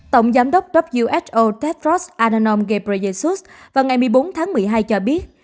tổng giám đốc who tedros adhanom ghebreyesus vào ngày một mươi bốn tháng một mươi hai cho biết